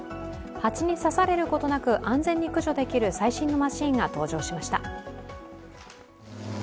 蜂に刺されることなく、安全に駆除できる最新のマシーンが登場しました。